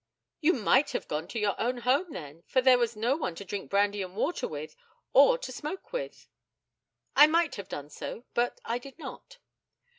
You might have gone to your own home, then, for there was no one to drink brandy and water with, or to smoke with? I might have done so, but I did not.